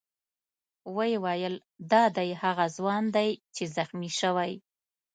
ویې ویل: دا دی هغه ځوان دی چې زخمي شوی.